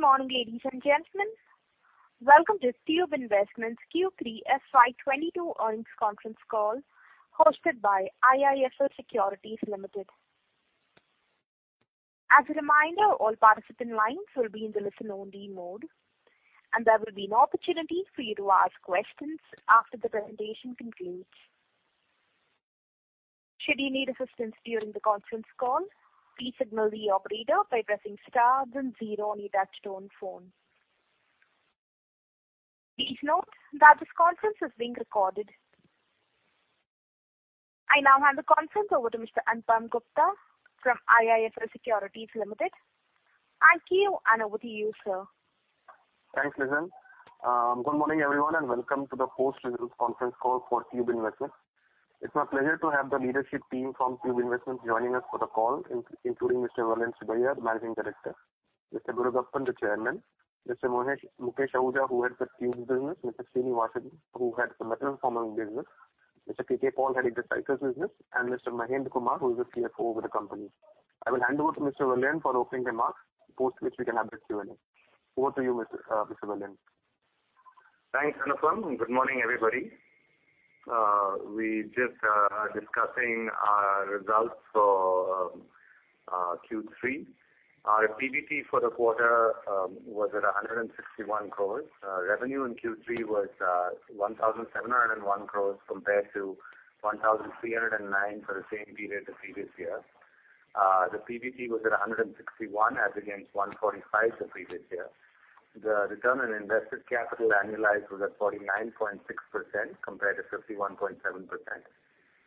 Good morning, ladies and gentlemen. Welcome to Tube Investments Q3 FY 2022 earnings conference call hosted by IIFL Securities Limited. As a reminder, all participant lines will be in the listen only mode, and there will be an opportunity for you to ask questions after the presentation concludes. Should you need assistance during the conference call, please signal the operator by pressing star then zero on your touchtone phone. Please note that this conference is being recorded. I now hand the conference over to Mr. Anupam Gupta from IIFL Securities Limited. Thank you, and over to you, sir. Thanks, Lizann. Good morning, everyone, and welcome to the post-results conference call for Tube Investments. It's my pleasure to have the leadership team from Tube Investments joining us for the call, including Mr. Vellayan Subbiah, Managing Director, Mr. M. A. M. Arunachalam, the Chairman, Mr. Mukesh Ahuja, who heads the Tubes business, Mr. Srinivasan, who heads the Metal Forming business, Mr. K.K. Paul, heading the Cycles business, and Mr. K. Mahendra Kumar, who is the CFO of the company. I will hand over to Mr. Vellayan Subbiah for opening remarks, after which we can have the Q&A. Over to you, Mr. Vellayan Subbiah. Thanks, Anupam, and good morning, everybody. We are just discussing our results for Q3. Our PBT for the quarter was at 161 crore. Revenue in Q3 was 1,701 crore compared to 1,309 crore for the same period the previous year. The PBT was at 161 crore as against 145 crore the previous year. The return on invested capital annualized was at 49.6% compared to 51.7%.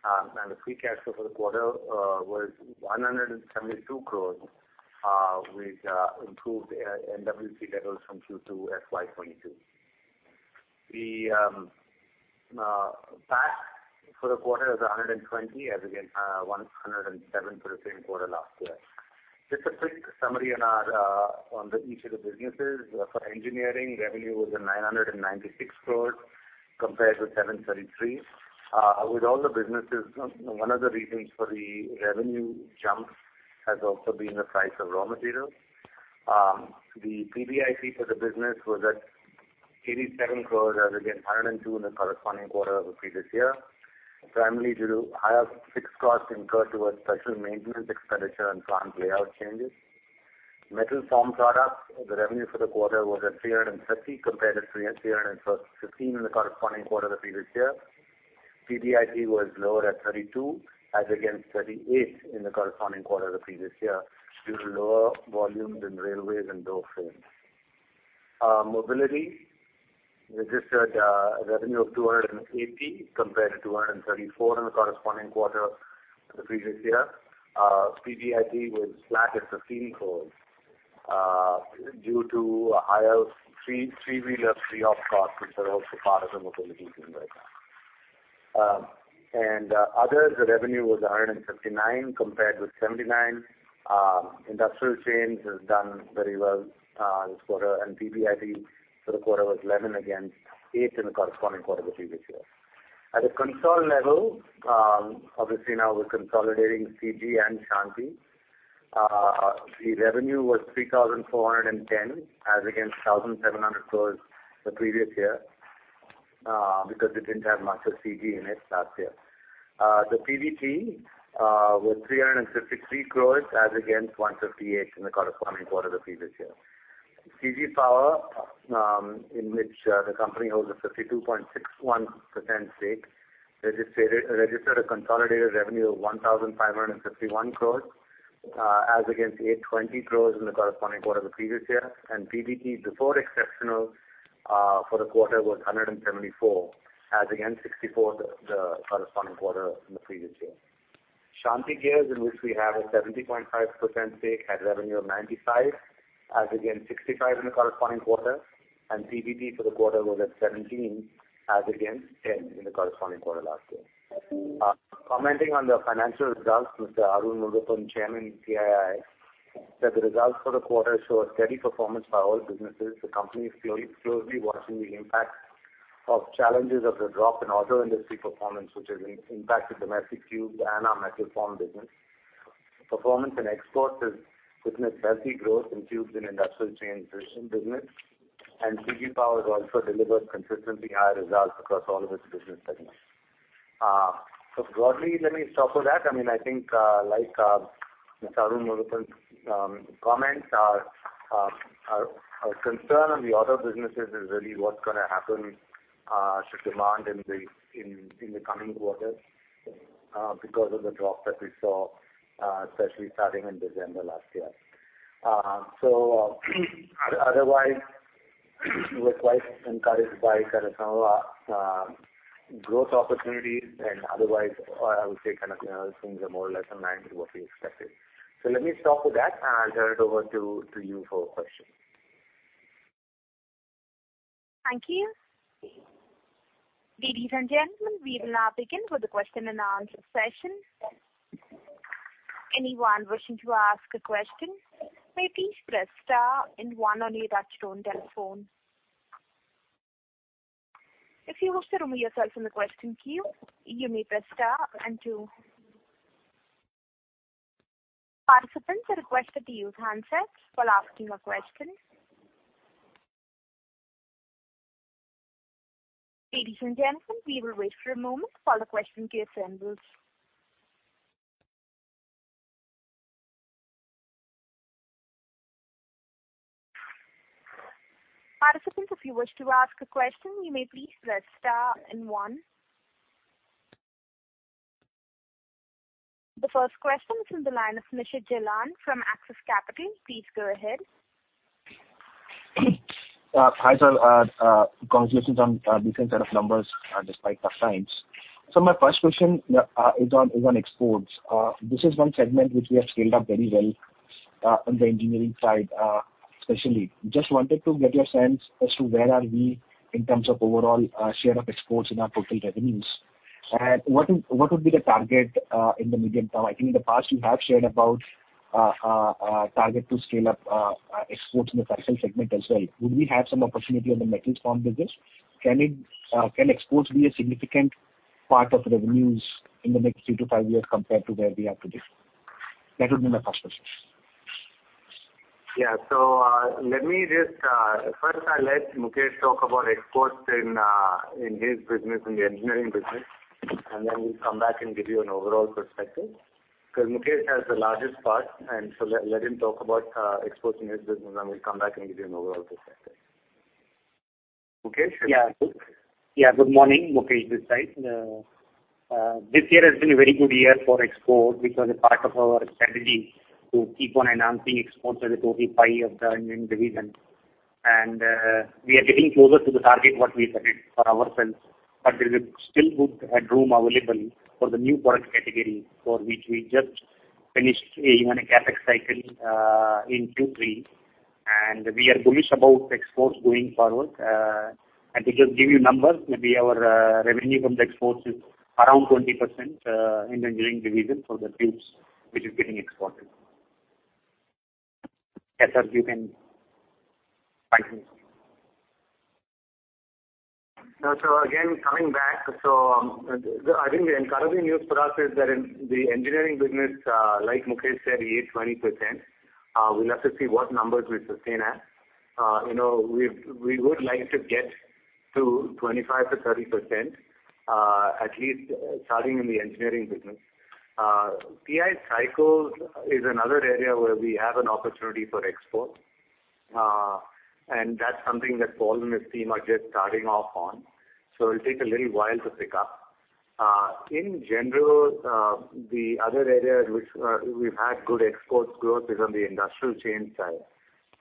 The free cash flow for the quarter was 172 crore with improved NWC levels from Q2 FY 2022. The PAT for the quarter is 120 crore as against 107 crore for the same quarter last year. Just a quick summary on each of the businesses. For engineering, revenue was at 996 crores compared to 733 crores. With all the businesses, one of the reasons for the revenue jump has also been the price of raw materials. The PBIT for the business was at 87 crores as against 102 crores in the corresponding quarter of the previous year, primarily due to higher fixed costs incurred towards special maintenance expenditure and plant layout changes. Metal Formed Products, the revenue for the quarter was at 330 crores compared to 315 crores in the corresponding quarter the previous year. PBIT was lower at 32 crores as against 38 crores in the corresponding quarter the previous year due to lower volumes in railways and door frames. Mobility registered a revenue of 280 crores compared to 234 crores in the corresponding quarter the previous year. PBIT was flat at INR 13 crores due to higher three-wheeler OpEx costs, which are also part of the Mobility team right now. Others, the revenue was 159 crores compared with 79 crores. Industrial Chains has done very well this quarter, and PBIT for the quarter was 11 crores against 8 crores in the corresponding quarter the previous year. At a consolidated level, obviously now we're consolidating CG and Shanthi. The revenue was 3,410 crores as against 1,700 crores the previous year, because we didn't have much of CG in it last year. The PBT was 353 crore as against 158 crore in the corresponding quarter the previous year. CG Power, in which the company holds a 52.61% stake, registered a consolidated revenue of 1,551 crore as against 820 crore in the corresponding quarter the previous year. PBT before exceptional for the quarter was 174 crore as against 64 crore the corresponding quarter in the previous year. Shanthi Gears, in which we have a 70.5% stake, had revenue of 95 crore as against 65 crore in the corresponding quarter, and PBT for the quarter was at 17 crore as against 10 crore in the corresponding quarter last year. Commenting on the financial results, Mr. Arun Murugappan, Chairman of TII, said, "The results for the quarter show a steady performance for all businesses. The company is closely watching the impact of challenges of the drop in auto industry performance, which has impacted domestic tubes and our metal form business. Performance in exports has witnessed healthy growth in tubes and industrial chains business. CG Power has also delivered consistently high results across all of its business segments." Broadly, let me stop with that. I mean, I think, like, Mr. Arun Murugappan's comments, our concern on the auto businesses is really what's gonna happen should demand in the coming quarters, because of the drop that we saw, especially starting in December last year. Otherwise, we're quite encouraged by kind of, growth opportunities and otherwise, or I would say kind of, you know, things are more or less in line with what we expected. Let me stop with that. I'll turn it over to you for questions. Thank you. Ladies and gentlemen, we will now begin with the question and answer session. Anyone wishing to ask a question may please press star and one on your touchtone telephone. If you wish to remove yourself from the question queue, you may press star and two. Participants are requested to use handsets while asking a question. Ladies and gentlemen, we will wait for a moment while the question queue assembles. Participants, if you wish to ask a question, you may please press star and one. The first question is from the line of Nishit Jalan from Axis Capital. Please go ahead. Hi, sir. Congratulations on a decent set of numbers despite tough times. My first question is on exports. This is one segment which we have scaled up very well on the engineering side, especially. Just wanted to get your sense as to where are we in terms of overall share of exports in our total revenues. What would be the target in the medium term? I think in the past you have shared about a target to scale up exports in the fastener segment as well. Would we have some opportunity on the metal formed business? Can exports be a significant part of revenues in the next three to five years compared to where we are today? That would be my first question. Yeah. Let me just first I'll let Mukesh talk about exports in his business, in the engineering business. Then we'll come back and give you an overall perspective. Mukesh has the largest part, so let him talk about exports in his business, and I will come back and give you an overall perspective. Mukesh. Good morning. Mukesh this side. This year has been a very good year for export, which was a part of our strategy to keep on enhancing exports as a total pie of the engineering division. We are getting closer to the target what we set for ourselves. There's still good headroom available for the new product category for which we just finished even a CapEx cycle in two-three. We are bullish about exports going forward. To just give you numbers, maybe our revenue from the exports is around 20% in engineering division for the tubes which is getting exported. Yes, sir, you can Thank you. I think the encouraging news for us is that in the engineering business, like Mukesh said, he is 20%. We'll have to see what numbers we sustain at. You know, we would like to get to 25%-30%, at least starting in the engineering business. TI Cycles is another area where we have an opportunity for export. That's something that Paul and his team are just starting off on, so it'll take a little while to pick up. In general, the other areas which we've had good exports growth is on the industrial chain side.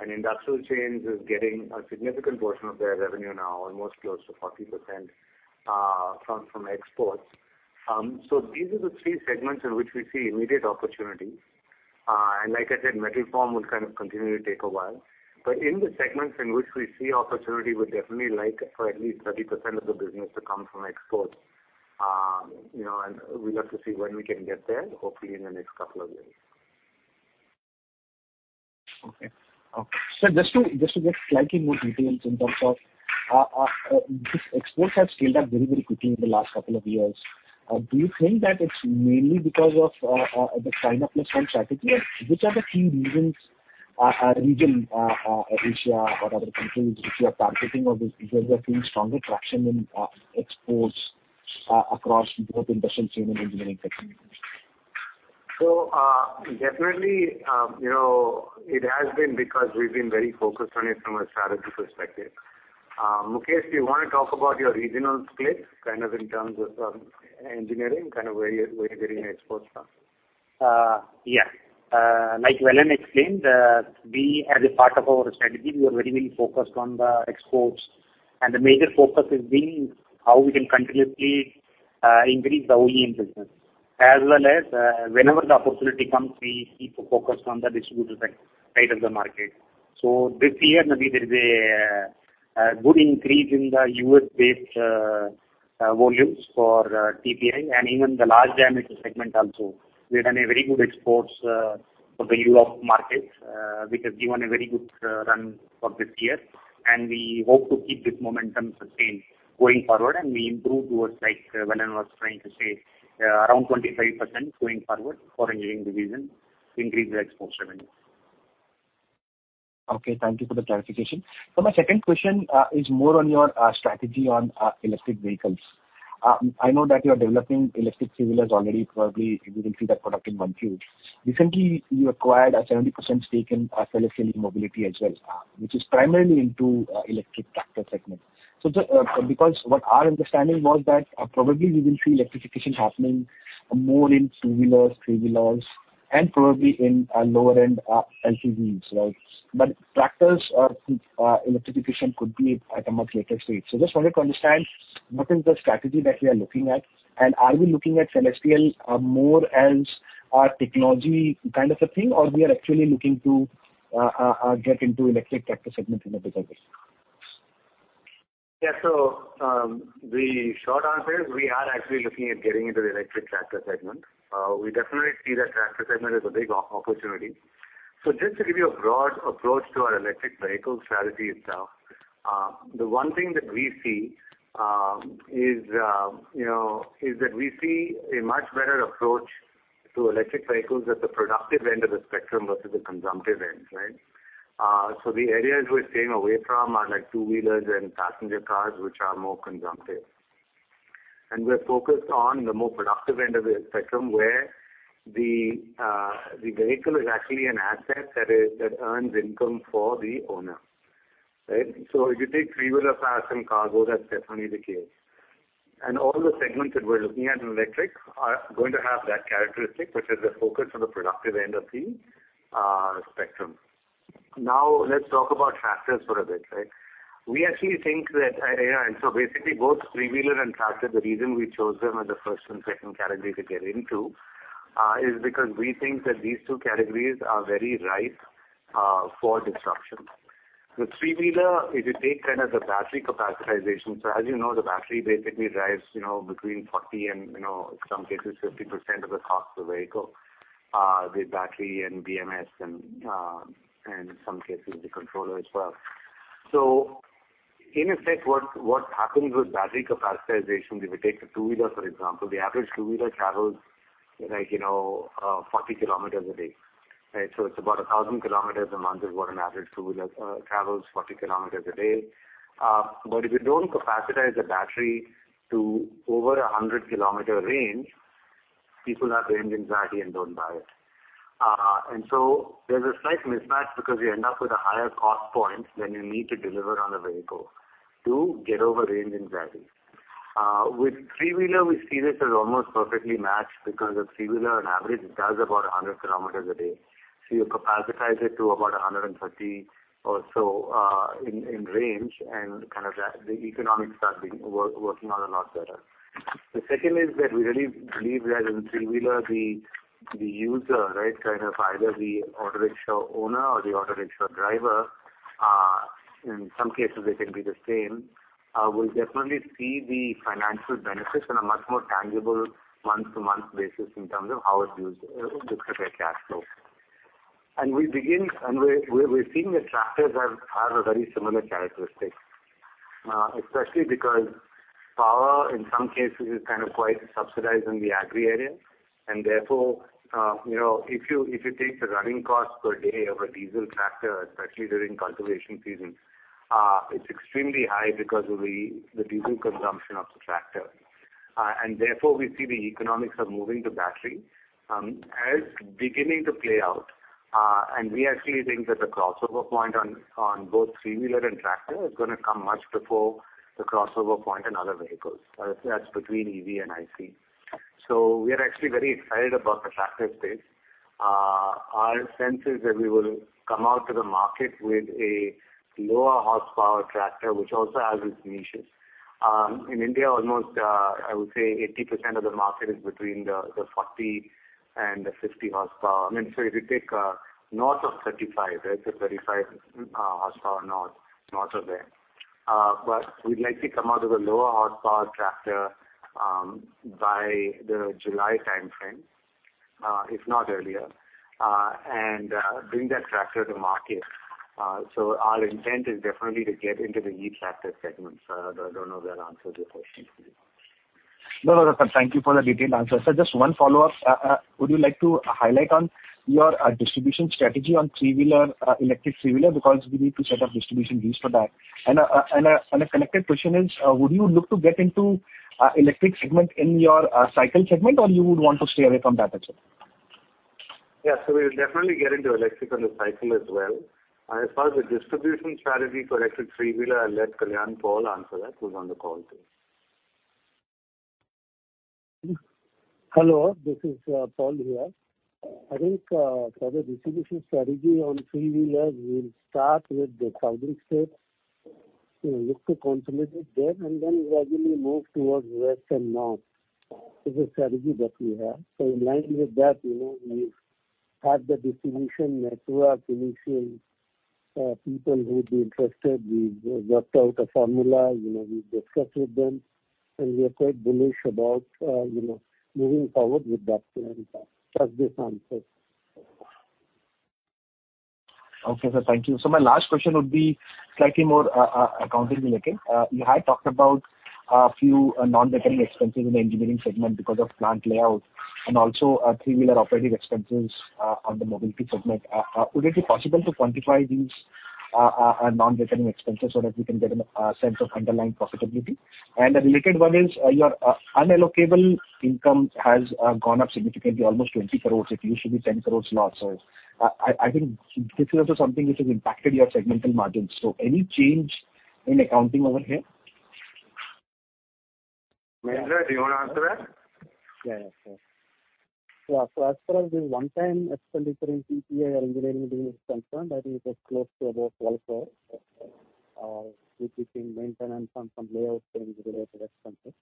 Industrial chains is getting a significant portion of their revenue now, almost close to 40%, comes from exports. These are the three segments in which we see immediate opportunities. Like I said, metal formed will kind of continue to take a while. In the segments in which we see opportunity, we'll definitely like for at least 30% of the business to come from exports. You know, we'll have to see when we can get there, hopefully in the next couple of years. Okay. Sir, just to get slightly more details in terms of this exports have scaled up very quickly in the last couple of years. Do you think that it's mainly because of the China plus one strategy? Which are the key reasons, region, Asia or other countries which you are targeting or which you are seeing stronger traction in exports across both industrial chain and engineering segment? Definitely, it has been because we've been very focused on it from a strategy perspective. Mukesh, do you wanna talk about your regional split, kind of in terms of engineering, kind of where you're getting your exports from? Yeah. Like Vellayan explained, we as a part of our strategy, we are very focused on the exports. The major focus is being how we can continuously increase the OEM business. As well as, whenever the opportunity comes, we keep focused on the distributor side of the market. This year, maybe there is a good increase in the U.S.-based volumes for TPI and even the large diameter segment also. We've done a very good exports for the Europe markets, which has given a very good run for this year. We hope to keep this momentum sustained going forward, and we improve towards like Vellayan was trying to say, around 25% going forward for engineering division to increase the export revenue. Okay, thank you for the clarification. My second question is more on your strategy on electric vehicles. I know that you are developing electric two-wheelers already, probably we will see that product in a few months. Recently you acquired a 70% stake in Cellestial E-Mobility as well, which is primarily into electric tractor segment. Because what our understanding was that probably we will see electrification happening more in two-wheelers, three-wheelers, and probably in lower end LCVs, right? But tractors electrification could be at a much later stage. Just wanted to understand what is the strategy that we are looking at, and are we looking at Celestial more as a technology kind of a thing, or we are actually looking to get into electric tractor segment in a big way? Yeah. The short answer is we are actually looking at getting into the electric tractor segment. We definitely see that tractor segment as a big opportunity. Just to give you a broad approach to our electric vehicle strategy itself, the one thing that we see is, you know, that we see a much better approach to electric vehicles at the productive end of the spectrum versus the consumptive end, right? The areas we're staying away from are, like, two-wheelers and passenger cars, which are more consumptive. We're focused on the more productive end of the spectrum, where the vehicle is actually an asset that earns income for the owner. Right? If you take three-wheeler cars and cargo, that's definitely the case. All the segments that we're looking at in electric are going to have that characteristic, which is the focus on the productive end of the spectrum. Now, let's talk about tractors for a bit, right? We actually think that basically both three-wheeler and tractor, the reason we chose them as the first and second category to get into, is because we think that these two categories are very ripe for disruption. The three-wheeler, if you take kind of the battery capitalization. So as you know, the battery basically drives, you know, between 40 and, you know, in some cases 50% of the cost of the vehicle, the battery and BMS and in some cases the controller as well. In a sense, what happens with battery capacitization, if you take the two-wheeler, for example, the average two-wheeler travels, like, you know, 40 km a day, right? It's about 1,000 km a month is what an average two-wheeler travels 40 km a day. If you don't capacitize the battery to over 100 km range, people have range anxiety and don't buy it. There's a slight mismatch because you end up with a higher cost point than you need to deliver on the vehicle to get over range anxiety. With three-wheeler, we see this as almost perfectly matched because a three-wheeler on average does about 100 km a day. You capacitate it to about 130 or so in range and the economics start working out a lot better. The second is that we really believe that in three-wheeler the user, right, kind of either the autorickshaw owner or the autorickshaw driver, in some cases they can be the same, will definitely see the financial benefits on a much more tangible month-to-month basis in terms of how its use disappears cash flow. We're seeing the tractors have a very similar characteristic, especially because power in some cases is kind of quite subsidized in the agri area and therefore, you know, if you take the running cost per day of a diesel tractor, especially during cultivation season, it's extremely high because of the diesel consumption of the tractor. Therefore we see the economics of moving to battery as beginning to play out. We actually think that the crossover point on both three-wheeler and tractor is gonna come much before the crossover point in other vehicles. That's between EV and IC. We are actually very excited about the tractor space. Our sense is that we will come out to the market with a lower horsepower tractor, which also has its niches. In India, almost, I would say 80% of the market is between the 40 and the 50 horsepower. I mean, if you take north of 35, right, so 35 horsepower north of there. But we'd like to come out with a lower horsepower tractor by the July timeframe, if not earlier, and bring that tractor to market. Our intent is definitely to get into the e-tractor segment. I don't know if that answers your question. No, no, sir. Thank you for the detailed answer. Sir, just one follow-up. Would you like to highlight on your distribution strategy on three-wheeler, electric three-wheeler? Because we need to set up distribution deals for that. A connected question is, would you look to get into electric segment in your cycle segment, or you would want to stay away from that as well? We'll definitely get into electric on the cycle as well. As far as the distribution strategy for electric three-wheeler, I'll let Kalyan Paul answer that, who's on the call today. Hello, this is Paul here. I think for the distribution strategy on three-wheelers, we'll start with the southern states, you know, look to consolidate there, and then gradually move towards west and north. This is the strategy that we have. In line with that, you know, we have the distribution network, initial people who would be interested. We've worked out a formula, you know, we've discussed with them, and we are quite bullish about you know, moving forward with that plan. Does this answer? Okay, sir. Thank you. My last question would be slightly more accounting related. You had talked about a few non-recurring expenses in the engineering segment because of plant layout and also three-wheeler operating expenses on the mobility segment. Would it be possible to quantify these non-recurring expenses so that we can get a sense of underlying profitability? A related one is your unallocated income has gone up significantly, almost 20 crore. It used to be 10 crore last year. I think this is also something which has impacted your segmental margins. Any change in accounting over here? Mahendra, do you wanna answer that? Yeah, sure. Yeah. As far as the one-time expenditure in TPI or engineering is concerned, I think it was close to about 12 crore. It was between maintenance and some layout change-related expenses.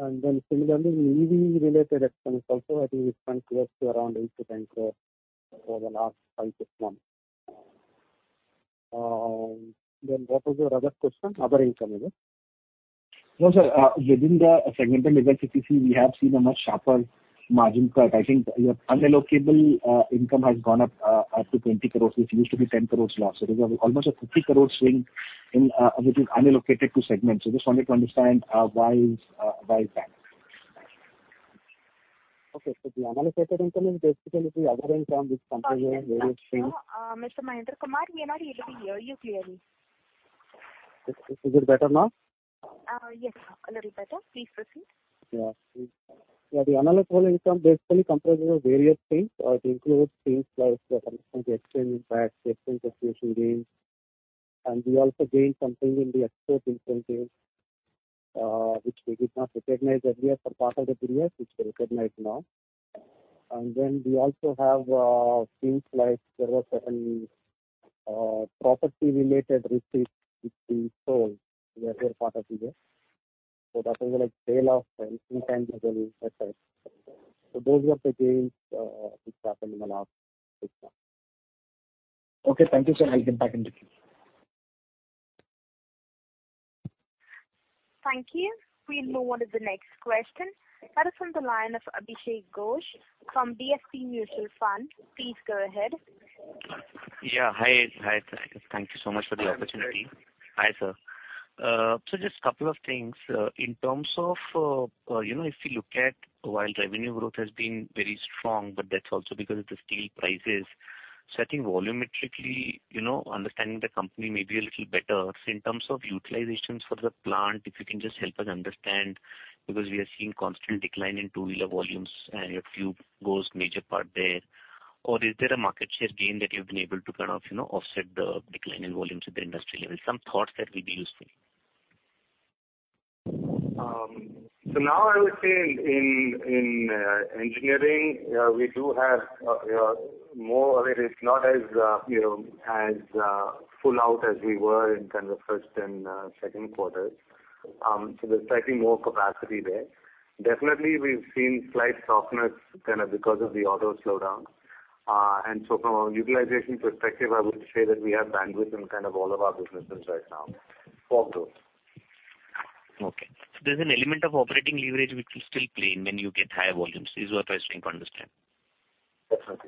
And then similarly the EV-related expense also I think we spent close to around 8 crore-10 crore over the last five to six months. What was your other question? Other income is it? No, sir. Within the segmental level CPC, we have seen a much sharper margin cut. I think your unallocated income has gone up to 20 crore, which used to be 10 crore last. There's almost a 50 crore swing in which is unallocated to segments. Just wanted to understand why is that? Okay. The unallocated income is basically the other income which comprises various- Mr. K. Vellayan Subbiah, we are not able to hear you clearly. Is it better now? Yes, a little better. Please proceed. Yeah. Yeah, the unallocated income basically comprises of various things. It includes things like, sometimes the exchange impacts, the exchange variation gains. We also gained something in the export incentive, which we did not recognize earlier for part of the period, which we recognize now. We also have things like there were certain property-related receipts which we sold earlier part of the year. That was like sale of certain intangible assets. Those were the gains, which happened in the last fiscal. Okay. Thank you, sir. I'll get back into queue. Thank you. We'll move on to the next question. That is from the line of Abhishek Ghosh from DSP Mutual Fund. Please go ahead. Yeah. Hi. Thank you so much for the opportunity. Hi. Hi, sir. Just couple of things. In terms of, you know, if you look at while revenue growth has been very strong, but that's also because of the steel prices. I think volumetrically, you know, understanding the company may be a little better. In terms of utilizations for the plant, if you can just help us understand, because we are seeing constant decline in two-wheeler volumes, and your tube goes major part there. Or is there a market share gain that you've been able to kind of, you know, offset the decline in volumes at the industry level? Some thoughts there will be useful. Now I would say in engineering we do have more of it. It's not as you know as full out as we were in kind of first and second quarters. There's slightly more capacity there. Definitely we've seen slight softness kind of because of the auto slowdown. From a utilization perspective, I would say that we have bandwidth in kind of all of our businesses right now for growth. Okay. There's an element of operating leverage which will still play in when you get higher volumes, is what I was trying to understand. That's right.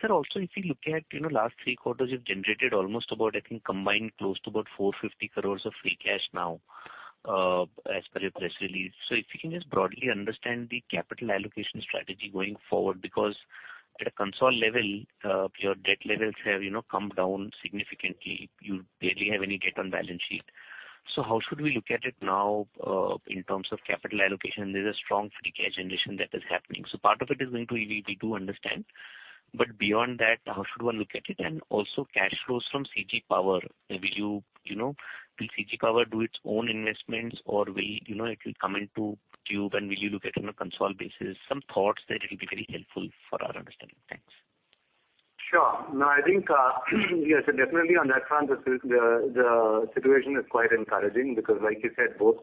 Sir, also if you look at, you know, last three quarters, you've generated almost about, I think, combined close to about 450 crore of free cash flow, as per your press release. If you can just broadly understand the capital allocation strategy going forward, because at a consolidated level, your debt levels have, you know, come down significantly. You barely have any debt on balance sheet. How should we look at it now in terms of capital allocation? There's a strong free cash generation that is happening. Part of it is going to EV, we do understand. But beyond that, how should one look at it? And also cash flows from CG Power. Will you know, CG Power do its own investments or, you know, it will come into Tube and will you look at it on a consolidated basis? Some thoughts there, it'll be very helpful for our understanding. Thanks. Sure. No, I think yes, definitely on that front, the situation is quite encouraging because like you said, both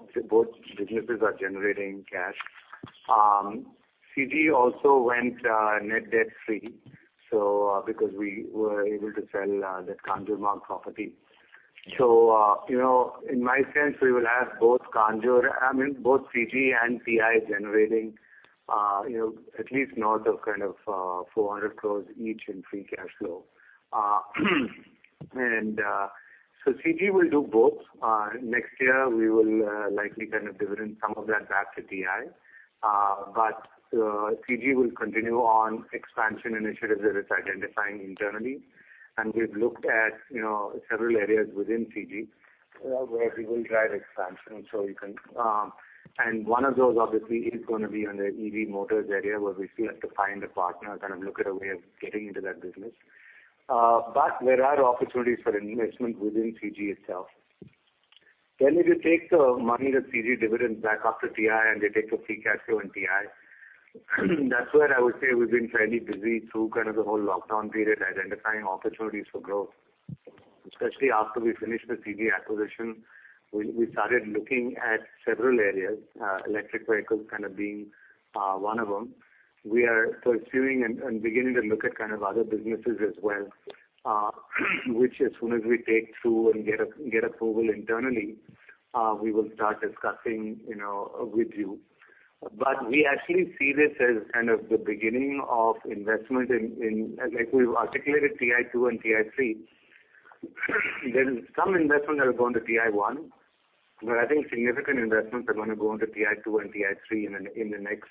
businesses are generating cash. CG also went net debt free, so because we were able to sell that Kanjur Marg property. You know, in my sense, we will have both CG and TI generating you know, at least north of kind of 400 crores each in free cash flow. CG will do both. Next year we will likely kind of dividend some of that back to TI. But CG will continue on expansion initiatives that it's identifying internally. We've looked at you know, several areas within CG where we will drive expansion. You can... One of those obviously is gonna be on the EV motors area, where we still have to find a partner and kind of look at a way of getting into that business. But there are opportunities for investment within CG itself. Then if you take the money that CG dividends back after TI and they take the free cash flow in TI, that's where I would say we've been fairly busy through kind of the whole lockdown period, identifying opportunities for growth. Especially after we finished the CG acquisition, we started looking at several areas, electric vehicles kind of being one of them. We are pursuing and beginning to look at kind of other businesses as well, which as soon as we take through and get approval internally, we will start discussing, you know, with you. We actually see this as kind of the beginning of investment. Like we've articulated TI-two and TI-three. There is some investment that will go into TI-one, but I think significant investments are gonna go into TI-two and TI-three in the next,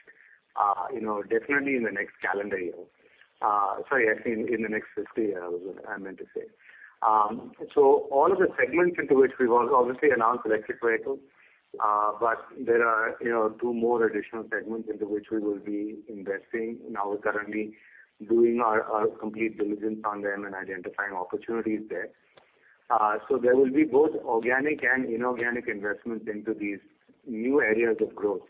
you know, definitely in the next calendar year. Sorry, actually in the next fiscal year, I meant to say. So all of the segments into which we've obviously announced electric vehicles, but there are, you know, two more additional segments into which we will be investing. Now we're currently doing our complete diligence on them and identifying opportunities there. So there will be both organic and inorganic investments into these new areas of growth.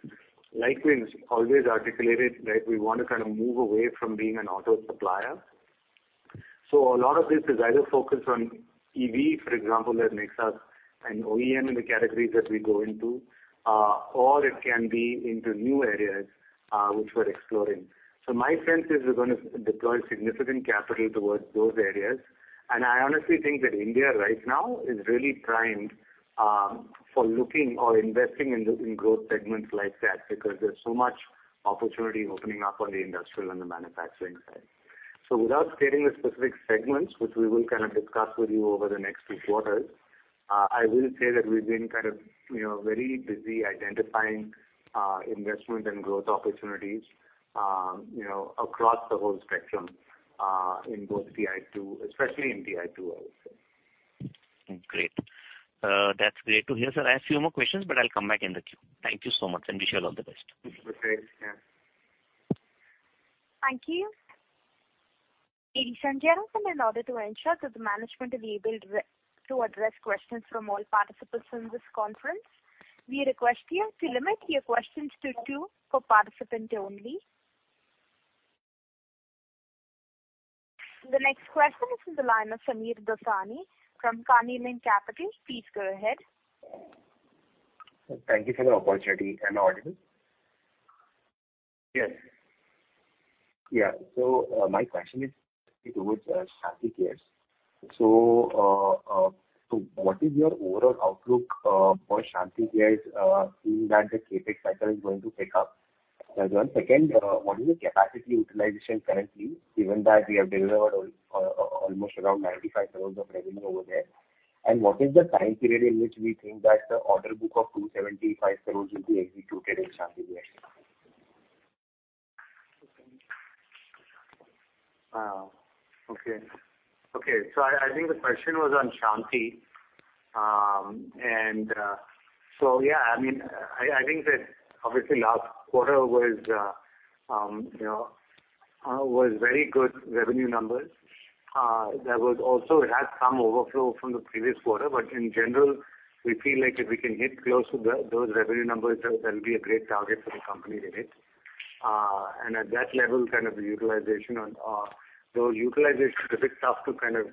Like we've always articulated, right, we want to kind of move away from being an auto supplier. A lot of this is either focused on EV, for example, that makes us an OEM in the categories that we go into, or it can be into new areas, which we're exploring. My sense is we're gonna deploy significant capital towards those areas. I honestly think that India right now is really primed for looking or investing in growth segments like that because there's so much opportunity opening up on the industrial and the manufacturing side. Without stating the specific segments, which we will kind of discuss with you over the next few quarters, I will say that we've been kind of, you know, very busy identifying investment and growth opportunities, you know, across the whole spectrum, in both TI2, especially in TI2, I would say. Great. That's great to hear, sir. I have a few more questions, but I'll come back in the queue. Thank you so much, and wish you all the best. Okay. Yeah. Thank you. Ladies and gentlemen, in order to ensure that the management is able to address questions from all participants in this conference, we request you to limit your questions to two per participant only. The next question is from the line of Sameer Dosani from Carnelian Capital. Please go ahead. Thank you for the opportunity. Am I audible? Yes. Yeah. My question is toward Shanthi Gears. What is your overall outlook for Shanthi Gears, seeing that the CapEx cycle is going to pick up? And then second, what is the capacity utilization currently, given that we have delivered almost around 95 crore of revenue over there? And what is the time period in which we think that the order book of 275 crore will be executed in Shanthi Gears? Okay. I think the question was on Shanthi. I mean, I think that obviously last quarter was you know very good revenue numbers. There was also it had some overflow from the previous quarter, but in general, we feel like if we can hit close to those revenue numbers, that will be a great target for the company to hit. And at that level, kind of the utilization on. Utilization is a bit tough to kind of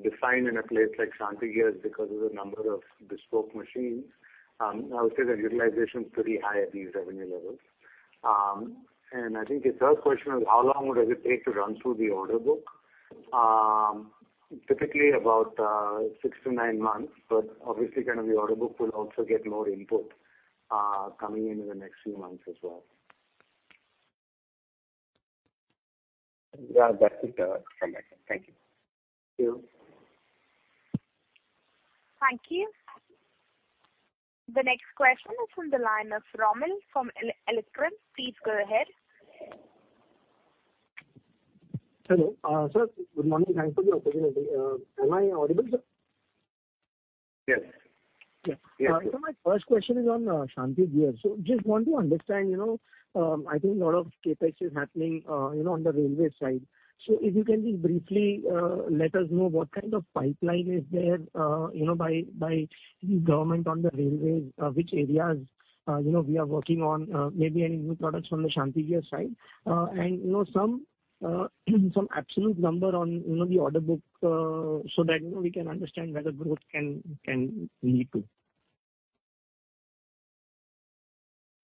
define in a place like Shanthi Gears because of the number of bespoke machines. I would say that utilization is pretty high at these revenue levels. I think the third question was how long would it take to run through the order book? Typically about six to nine months, but obviously kind of the order book will also get more input coming in in the next few months as well. Yeah, that's it. Thank you. Thank you. Thank you. The next question is from the line of Romil Jain from Electrum. Please go ahead. Hello. Sir, good morning. Thanks for the opportunity. Am I audible, sir? Yes. Yeah. Yes. My first question is on Shanthi Gears. Just want to understand, you know, I think a lot of CapEx is happening, you know, on the railway side. If you can just briefly let us know what kind of pipeline is there, you know, by the government on the railways, which areas, you know, we are working on, maybe any new products from the Shanthi Gears side. You know, some absolute number on, you know, the order book, so that, you know, we can understand where the growth can lead to.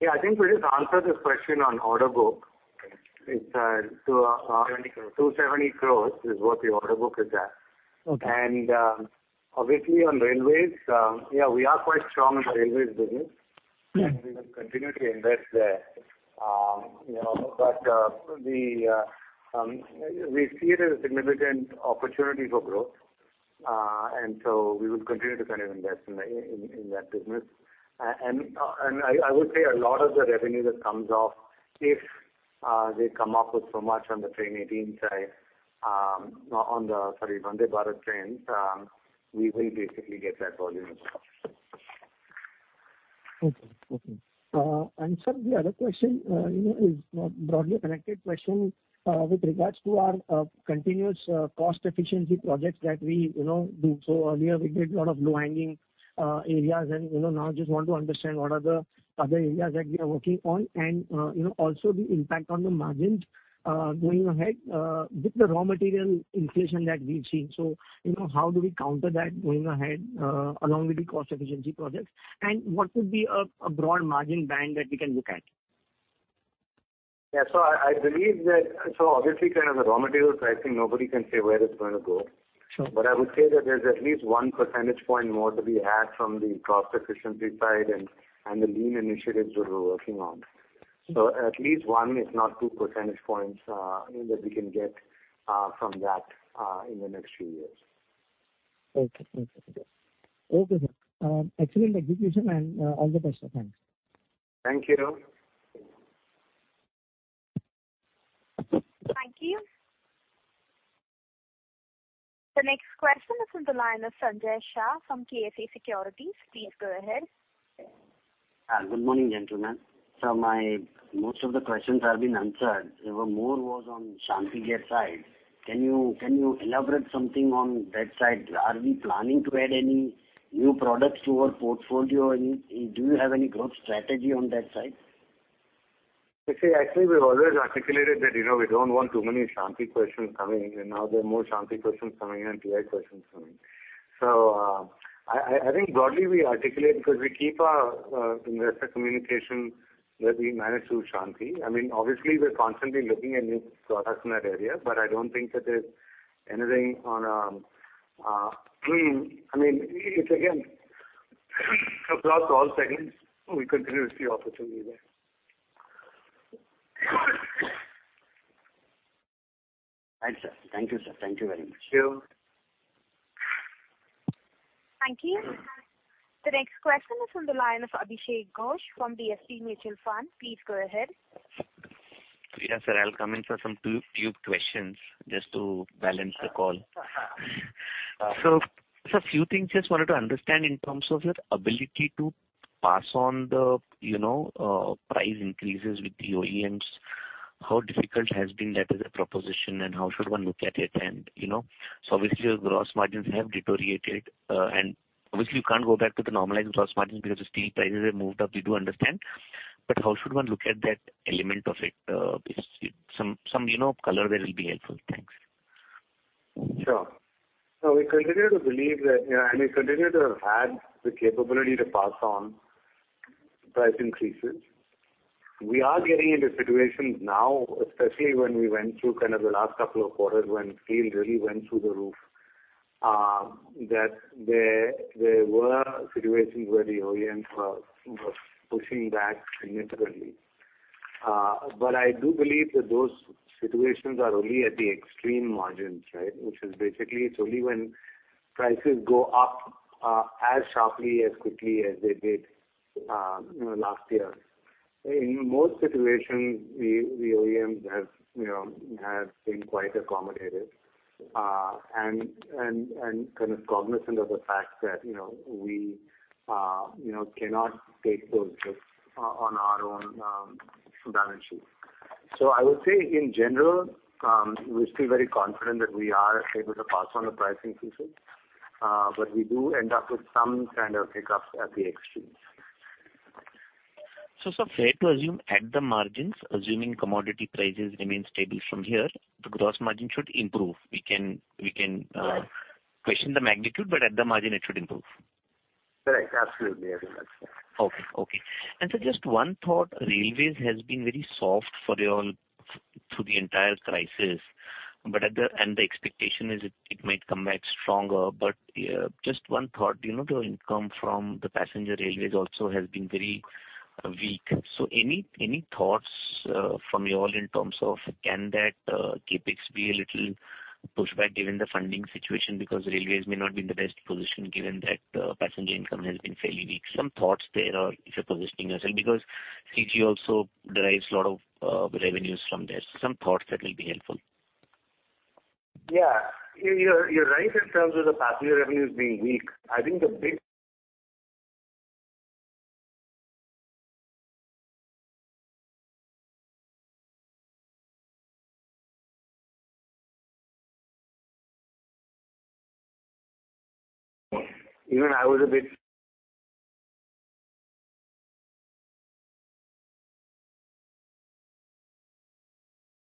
Yeah. I think we just answered this question on order book. It's two- INR 20 crore. 270 crores is what the order book is at. Okay. Obviously on railways, yeah, we are quite strong in the railways business. Mm-hmm. We will continue to invest there. You know, but we see it as a significant opportunity for growth. We would continue to kind of invest in that business. I would say a lot of the revenue that comes off, if they come up with so much on the Train 18 side, on the, sorry, Vande Bharat trains, we will basically get that volume as well. Okay. Sir, the other question, you know, is a broadly connected question with regards to our continuous cost efficiency projects that we, you know, do. Earlier we did a lot of low-hanging areas and, you know, now I just want to understand what are the other areas that we are working on, and, you know, also the impact on the margins going ahead with the raw material inflation that we've seen. You know, how do we counter that going ahead along with the cost efficiency projects? What would be a broad margin band that we can look at? Obviously, kind of the raw material pricing, nobody can say where it's gonna go. Sure. I would say that there's at least one percentage point more to be had from the cost efficiency side and the lean initiatives that we're working on. Sure. At least one if not two percentage points that we can get from that in the next few years. Okay, sir. Excellent execution and all the best. Thanks. Thank you. Thank you. The next question is from the line of Sanjay Shah from KSA Securities. Please go ahead. Good morning, gentlemen. Most of my questions have been answered. There were more on Shanthi Gears side. Can you elaborate something on that side? Are we planning to add any new products to our portfolio? Do you have any growth strategy on that side? You see, actually, we've always articulated that, you know, we don't want too many Shanthi questions coming, and now there are more Shanthi questions coming and TI questions coming. I think broadly we articulate because we keep our investor communication that we manage through Shanthi. I mean, obviously, we're constantly looking at new products in that area, but I don't think that there's anything on, I mean, it's again, across all segments, we continue to see opportunity there. Thanks, sir. Thank you, sir. Thank you very much. Thank you. Thank you. The next question is from the line of Abhishek Ghosh from DSP Mutual Fund. Please go ahead. Yeah, sir, I'll come in for some few questions just to balance the call. Just a few things I just wanted to understand in terms of your ability to pass on the, you know, price increases with the OEMs. How difficult has been that as a proposition, and how should one look at it? You know, obviously your gross margins have deteriorated. Obviously you can't go back to the normalized gross margins because the steel prices have moved up. We do understand. How should one look at that element of it? Some you know, color there will be helpful. Thanks. We continue to believe that, you know, and we continue to have had the capability to pass on price increases. We are getting into situations now, especially when we went through kind of the last couple of quarters when steel really went through the roof, that there were situations where the OEMs were pushing back significantly. I do believe that those situations are only at the extreme margins, right? Which is basically it's only when prices go up, as sharply as quickly as they did, last year. In most situations, the OEMs have, you know, been quite accommodative, and kind of cognizant of the fact that, you know, we, you know, cannot take those risks on our own balance sheet. I would say in general, we're still very confident that we are able to pass on the price increases, but we do end up with some kind of hiccups at the extremes. Sir, fair to assume at the margins, assuming commodity prices remain stable from here, the gross margin should improve. We can. Right. I question the magnitude, but at the margin it should improve. Right. Absolutely. I think that's fair. Okay. Okay. Just one thought. Railways has been very soft for you all through the entire crisis. The expectation is it might come back stronger. Just one thought, you know, the income from the passenger railways also has been very weak. Any thoughts from you all in terms of can that CapEx be a little pushed back given the funding situation? Because railways may not be in the best position given that passenger income has been fairly weak. Some thoughts there or if you are positioning yourself, because CG also derives a lot of revenues from this. Some thoughts that will be helpful. Yeah. You're right in terms of the passenger revenues being weak. For the railway,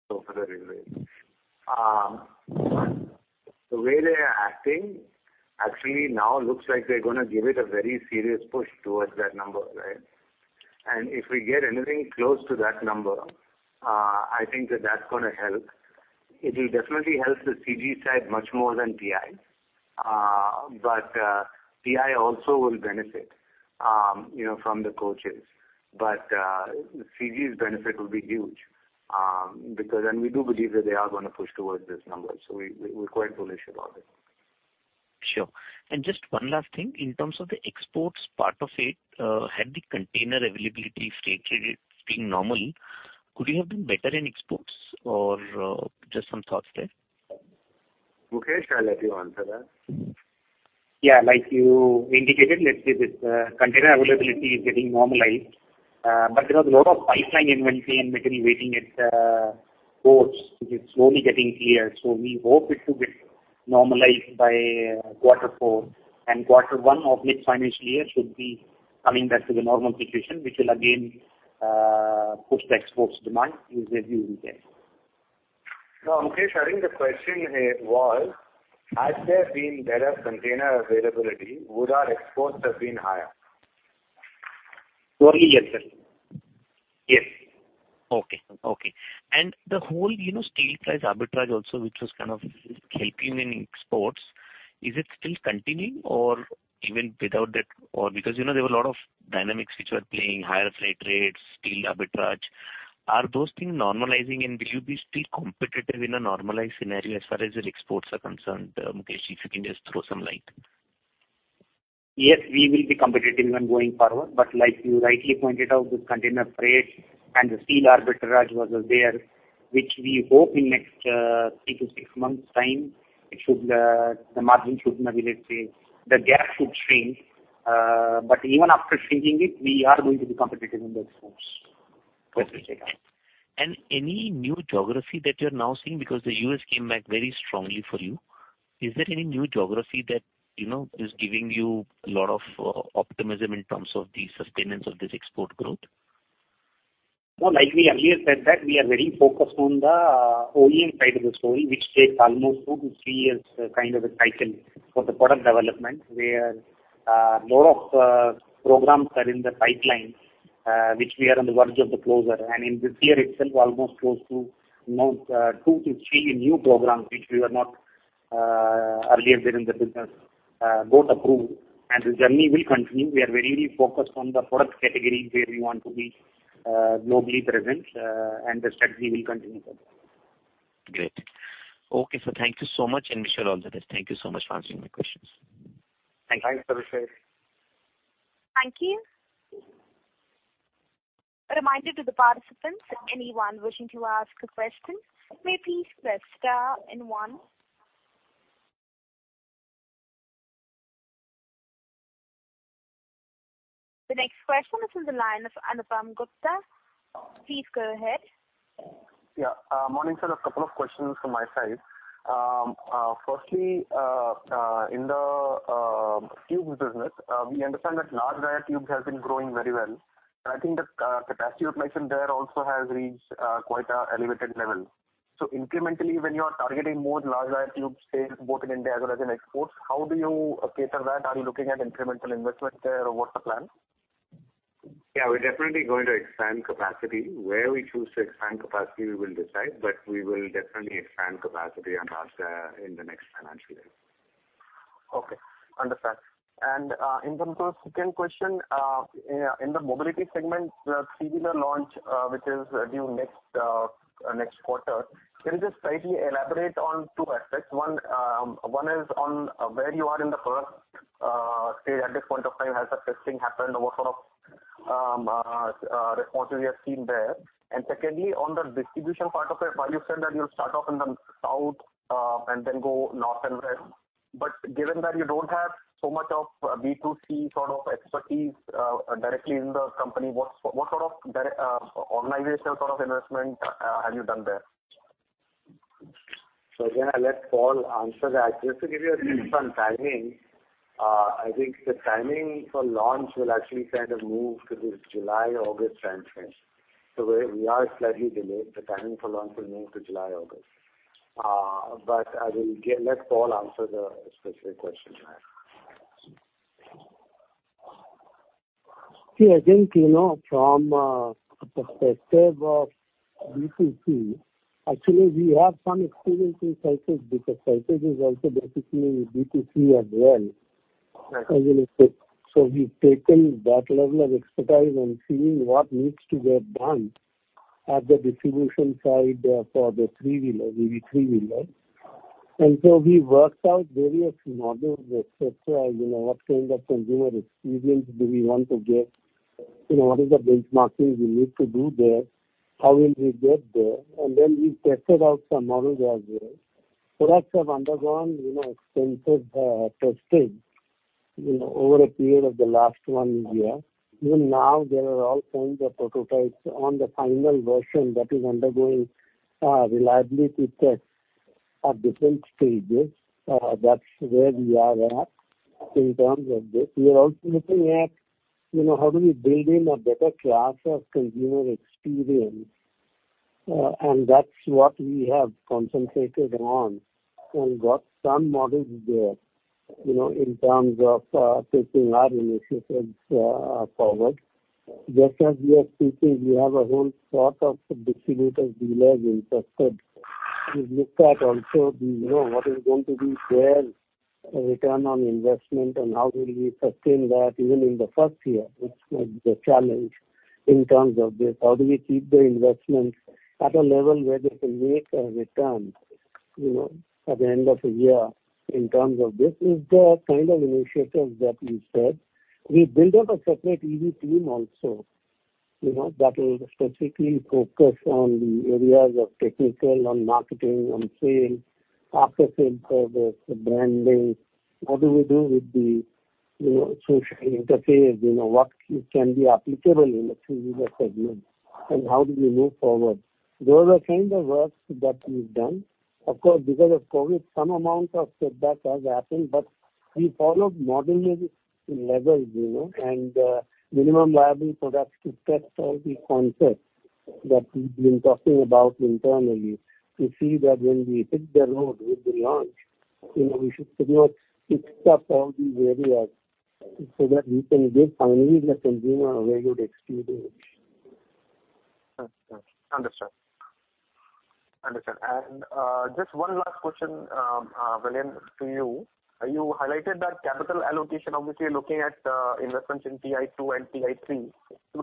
the way they are acting actually now looks like they're gonna give it a very serious push towards that number, right? If we get anything close to that number, I think that's gonna help. It will definitely help the CG side much more than TI. TI also will benefit, you know, from the coaches. CG's benefit will be huge, because we do believe that they are gonna push towards this number. We're quite bullish about it. Sure. Just one last thing. In terms of the exports part of it, had the container availability stayed normal, could you have been better in exports or, just some thoughts there? Mukesh, I'll let you answer that. Yeah. Like you indicated, let's say this, container availability is getting normalized. But there was a lot of pipeline inventory and material waiting at ports, which is slowly getting cleared. We hope it will get normalized by quarter four and quarter one of next financial year should be coming back to the normal situation, which will again push the exports demand is the view we take. No, Mukesh, I think the question here was, had there been better container availability, would our exports have been higher? Clearly, yes, sir. Yes. Okay. The whole, you know, steel price arbitrage also, which was kind of helping in exports, is it still continuing or even without that or. Because, you know, there were a lot of dynamics which were playing, higher freight rates, steel arbitrage. Are those things normalizing? Will you be still competitive in a normalized scenario as far as your exports are concerned? Mukesh, if you can just throw some light. Yes, we will be competitive even going forward. But like you rightly pointed out, this container freight and the steel arbitrage was there, which we hope in next three to six months' time, it should, the margin should normalize, say, the gap should shrink. But even after shrinking it, we are going to be competitive in the exports. Okay. Any new geography that you're now seeing? Because the U.S. came back very strongly for you. Is there any new geography that, you know, is giving you a lot of optimism in terms of the sustenance of this export growth? No, like we earlier said that we are very focused on the OEM side of the story, which takes almost two to three years kind of a cycle for the product development, where lot of programs are in the pipeline, which we are on the verge of the closure. In this year itself, almost close to two to three new programs which we were not earlier there in the business got approved, and the journey will continue. We are very focused on the product category where we want to be globally present, and the strategy will continue for that. Great. Okay, sir. Thank you so much, and I wish you all the best. Thank you so much for answering my questions. Thank you. Thanks, Abhishek. Thank you. A reminder to the participants, anyone wishing to ask a question, may please press star and one. The next question is in the line of Anupam Gupta. Please go ahead. Yeah. Morning, sir. A couple of questions from my side. Firstly, in the tubes business, we understand that large diameter tubes has been growing very well. I think the capacity utilization there also has reached quite a elevated level. So incrementally, when you are targeting more large diameter tubes sales both in India as well as in exports, how do you cater that? Are you looking at incremental investment there, or what's the plan? Yeah, we're definitely going to expand capacity. Where we choose to expand capacity, we will decide, but we will definitely expand capacity and CapEx in the next financial year. Okay. Understood. In terms of second question, in the mobility segment, the three-wheeler launch, which is due next quarter, can you just slightly elaborate on two aspects. One is on where you are in the product stage at this point of time. Has the testing happened, or what sort of responses you have seen there? Secondly, on the distribution part of it, while you said that you'll start off in the south, and then go north and west, but given that you don't have so much of B2C sort of expertise, directly in the company, what sort of organizational sort of investment have you done there? Again, I'll let Paul answer that. Just to give you a sense on timing, I think the timing for launch will actually kind of move to this July/August timeframe. We are slightly delayed. The timing for launch will move to July/August. Let Paul answer the specific question you have. See, I think, you know, from a perspective of B2C, actually we have some experience in Cycles because Cycles is also basically in B2C as well. Right. In a sense, we've taken that level of expertise and seeing what needs to get done at the distribution side for the three-wheeler EV three-wheeler. We worked out various models, et cetera, you know, what kind of consumer experience do we want to get? You know, what is the benchmarking we need to do there? How will we get there? We tested out some models as well. Products have undergone, you know, extensive testing, you know, over a period of the last one year. Even now, there are all kinds of prototypes on the final version that is undergoing reliability tests at different stages. That's where we are at in terms of this. We are also looking at, you know, how do we build in a better class of consumer experience? That's what we have concentrated on and got some models there, you know, in terms of taking our initiatives forward. Just as we are speaking, we have our own sort of distributors, dealers interested. We've looked at also, you know, what is going to be their return on investment and how will we sustain that even in the first year? Which was the challenge in terms of this. How do we keep the investments at a level where they can make a return, you know, at the end of a year in terms of this? These are kind of initiatives that we've set. We built up a separate EV team also, you know, that will specifically focus on the areas of technical, on marketing, on sales, after-sales service, the branding. How do we do with the, you know, social interface? You know, what can be applicable in the three-wheeler segment, and how do we move forward? Those are kind of works that we've done. Of course, because of COVID, some amount of setback has happened, but we followed modular levels, you know, and minimum viable products to test all the concepts that we've been talking about internally to see that when we hit the road with the launch, you know, we should pretty much fixed up all the areas so that we can give our Indian consumer a very good experience. Understood. Just one last question, Vellayan to you. You highlighted that capital allocation, obviously you're looking at investments in TI-2 and TI-3.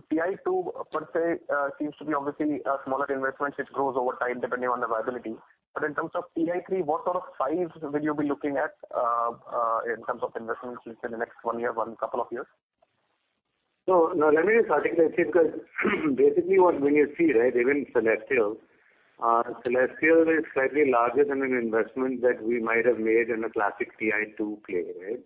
TI-2 per se seems to be obviously a smaller investment which grows over time depending on the viability. In terms of TI-3, what sort of size will you be looking at in terms of investments within the next one year or a couple of years? Now let me just articulate it, because basically what you see, right, even Celestial is slightly larger than an investment that we might have made in a classic TI-2 play, right?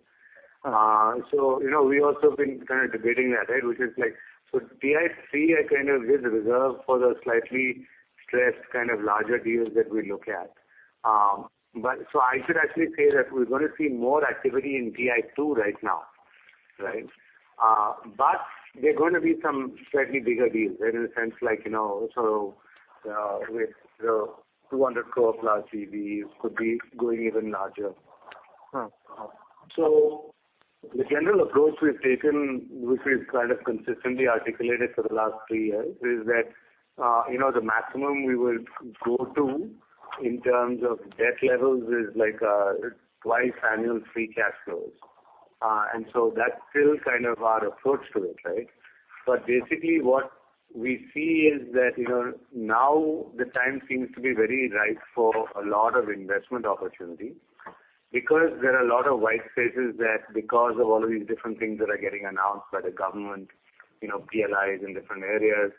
You know, we also have been kind of debating that, right? Which is like, TI-3, I kind of just reserve for the slightly stressed kind of larger deals that we look at. I should actually say that we're gonna see more activity in TI-2 right now. Right. There are gonna be some slightly bigger deals in a sense like, you know, with, you know, 200 crore plus EVs could be going even larger. Hmm. The general approach we've taken, which we've kind of consistently articulated for the last three years, is that, you know, the maximum we will go to in terms of debt levels is like, twice annual free cash flows. That's still kind of our approach to it, right? Basically what we see is that, you know, now the time seems to be very ripe for a lot of investment opportunity because there are a lot of white spaces that because of all of these different things that are getting announced by the government, you know, PLIs in different areas,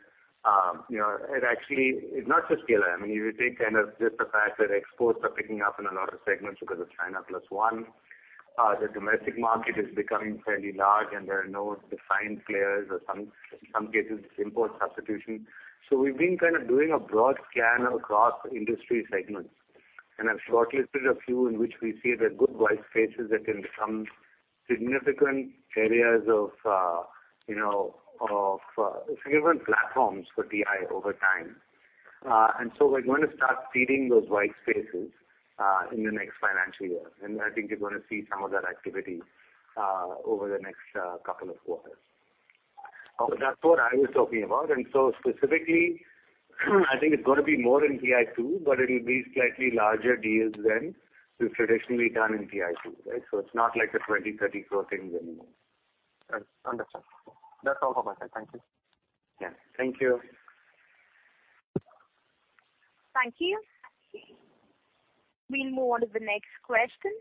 you know, it actually. It's not just PLI. I mean, if you take kind of just the fact that exports are picking up in a lot of segments because of China plus one, the domestic market is becoming fairly large and there are no defined players or some cases import substitution. We've been kind of doing a broad scan across industry segments and have shortlisted a few in which we see there are good white spaces that can become significant areas of, you know, of, significant platforms for TI over time. We're going to start seeding those white spaces in the next financial year, and I think you're gonna see some of that activity over the next couple of quarters. That's what I was talking about. Specifically, I think it's gonna be more in TI-2, but it'll be slightly larger deals than we've traditionally done in TI-2, right? It's not like the 20 crore, 30 crore things anymore. Understood. That's all from my side. Thank you. Yeah. Thank you. Thank you. We'll move on to the next question.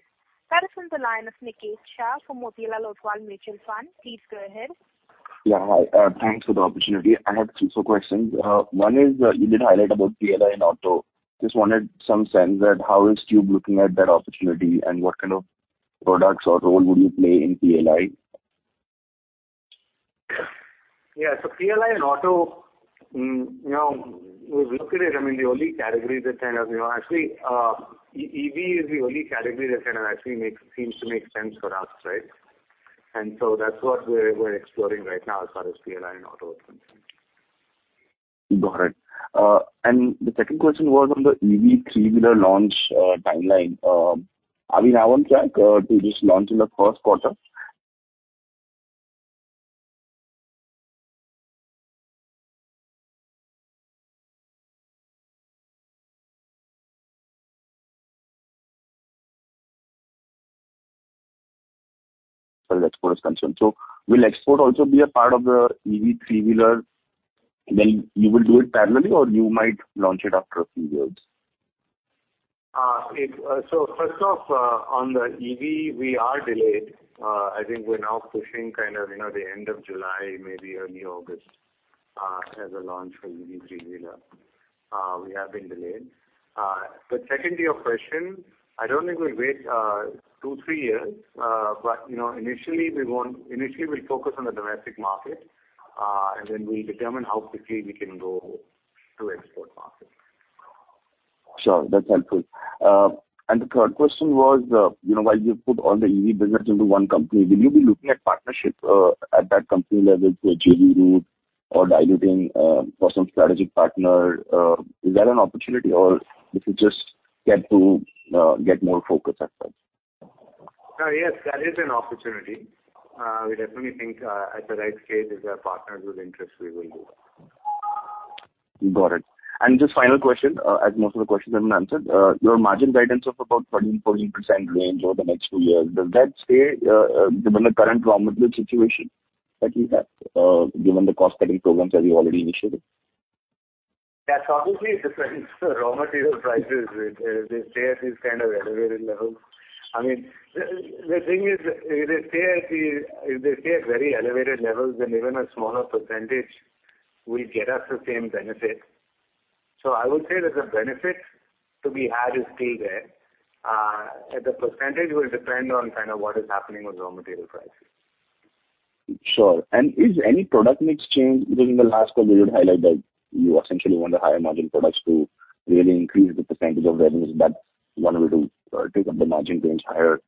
That is from the line of Niket Shah from Motilal Oswal Mutual Fund. Please go ahead. Yeah. Hi, thanks for the opportunity. I have two questions. One is, you did highlight about PLI in auto. Just wanted some sense of how Tube is looking at that opportunity and what kind of products or role would you play in PLI? Yeah. PLI in auto, you know, we've looked at it. I mean, EV is the only category that kind of actually seems to make sense for us, right? That's what we're exploring right now as far as PLI in auto is concerned. Got it. The second question was on the EV three-wheeler launch timeline. Are we now on track to just launch in the first quarter as far as export is concerned? Will export also be a part of the EV three-wheeler? Then you will do it parallelly or you might launch it after a few years? First off, on the EV, we are delayed. I think we're now pushing kind of, you know, the end of July, maybe early August, as a launch for EV three-wheeler. We have been delayed. Second to your question, I don't think we'll wait 2-3 years. You know, initially we won't. Initially, we'll focus on the domestic market, and then we'll determine how quickly we can go to export market. Sure. That's helpful. The third question was, you know, while you put all the EV business into one company, will you be looking at partnership at that company level through a JV route or diluting for some strategic partner? Is that an opportunity or is it just to get more focus at that? Yes, that is an opportunity. We definitely think at the right scale, if there are partners with interest, we will do that. Got it. Just final question, as most of the questions have been answered. Your margin guidance of about 13%-14% range over the next few years, does that stay, given the current raw material situation that you have, given the cost cutting programs that you already initiated? That's obviously dependent on the raw material prices. If they stay at these kind of elevated levels. I mean, the thing is if they stay at very elevated levels, then even a smaller percentage will get us the same benefit. So I would say that the benefit to be had is still there. The percentage will depend on kind of what is happening with raw material prices. Sure. Is any product mix changed? Because in the last call you had highlighted that you essentially want the higher margin products to really increase the percentage of revenues. That's one way to take up the margin range higher.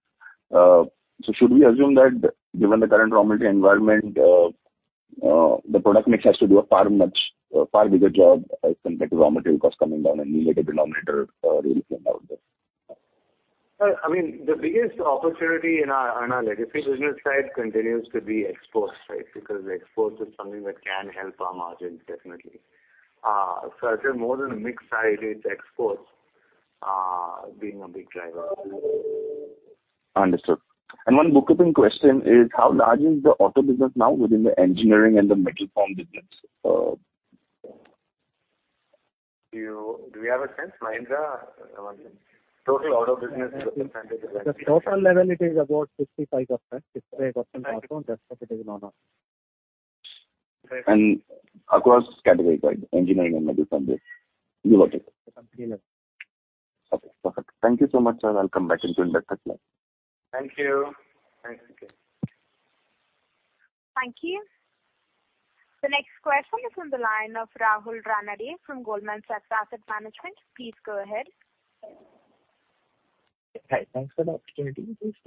Should we assume that given the current raw material environment, the product mix has to do a far bigger job as compared to raw material costs coming down and numerator, denominator, really playing out this? I mean, the biggest opportunity on our legacy business side continues to be exports, right? Because exports is something that can help our margins definitely. I'd say more than a mix side, it's exports being a big driver. Understood. One bookkeeping question is how large is the auto business now within the engineering and the metal form business? Do we have a sense, Mahendra, I mean, total auto business percentage is- At total level it is about 65%, 60% roughly. That's what it is known as. Right. Across category, right? Engineering and metal formed business. You got it. The company level. Okay. Perfect. Thank you so much, sir. I'll come back if you have any further clarity. Thank you. Thank you. Thank you. The next question is from the line of Rahul Ranade from Goldman Sachs Asset Management. Please go ahead. Hi, thanks for the opportunity. Just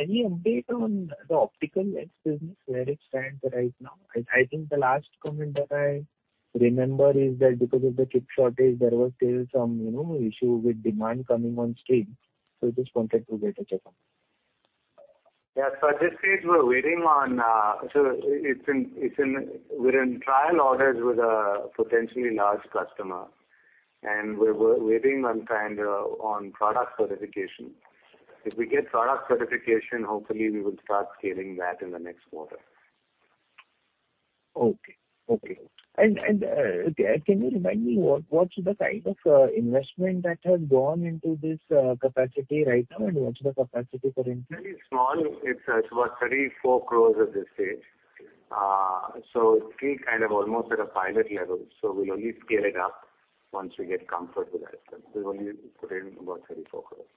any update on the optical lens business, where it stands right now? I think the last comment that I remember is that because of the chip shortage, there was still some, you know, issue with demand coming on stream. Just wanted to get a check on that. At this stage we're in trial orders with a potentially large customer, and we're waiting kind of on product certification. If we get product certification, hopefully we will start scaling that in the next quarter. Can you remind me what’s the kind of investment that has gone into this capacity right now, and what’s the capacity for entry? Very small. It's about 34 crore at this stage. Still kind of almost at a pilot level. We'll only scale it up once we get comfortable with that. We've only put in about INR 34 crore.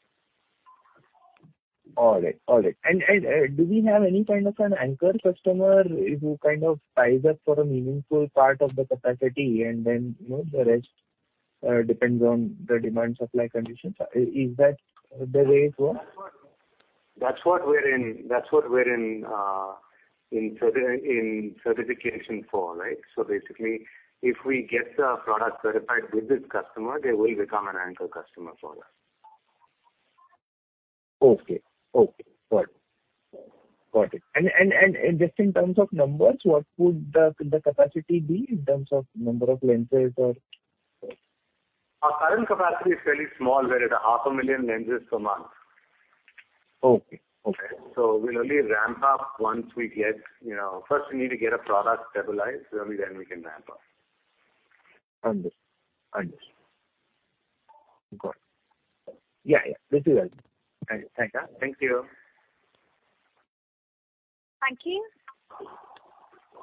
All right. Do we have any kind of an anchor customer who kind of ties up for a meaningful part of the capacity and then, you know, the rest depends on the demand supply conditions? Is that the way it works? That's what we're in certification for, right? So basically, if we get the product certified with this customer, they will become an anchor customer for us. Okay. Got it. Just in terms of numbers, what would the capacity be in terms of number of lenses or... Our current capacity is fairly small. We're at 500,000 lenses per month. Okay. Okay. We'll only ramp up once we get, you know. First we need to get a product stabilized, only then we can ramp up. Understood. Okay. Yeah, yeah. This is helpful. Thank you. Thank you.